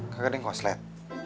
kagak deh koslet